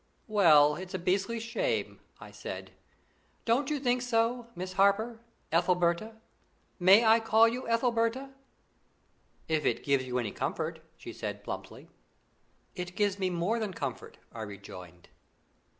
"Well, it's a beastly shame," I said. "Don't you think so, Miss Harper Ethelberta? May I call you Ethelberta?" "If it gives you any comfort," she said plumply. "It gives me more than comfort," I rejoined.